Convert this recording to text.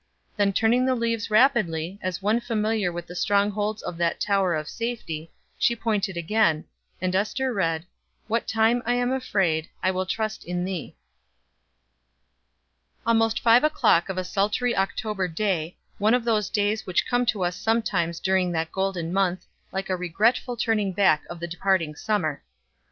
Then turning the leaves rapidly, as one familiar with the strongholds of that tower of safety, she pointed again, and Ester read: "What time I am afraid, I will trust in thee." Almost five o'clock of a sultry October day, one of those days which come to us sometimes during that golden month, like a regretful turning back of the departing summer.